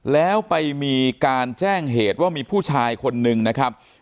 แล้วไปมีการแจ้งเหตุว่ามีผู้ชายคนนึงนะครับ